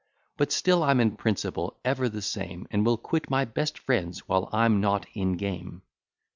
But still I'm in principle ever the same, And will quit my best friends, while I'm _Not in game.